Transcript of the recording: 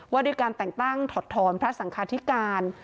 ว่าด้วยการแต่งตั้งถอดถอนพระสังคาธิการ